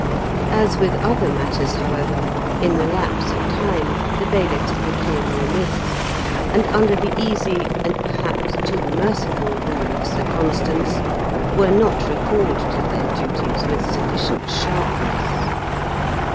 As with other matters, however, in the lapse of time the bailiffs became remiss, and under the easy, and perhaps too merciful rule of Sir Constans, were not recalled to their duties with sufficient sharpness.